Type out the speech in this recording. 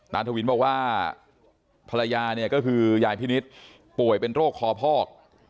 ทวินบอกว่าภรรยาเนี่ยก็คือยายพินิษฐ์ป่วยเป็นโรคคอพอก